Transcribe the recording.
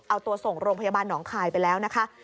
เอาตัวส่งโรงพยาบาลหนองคายไปแล้วนะคะ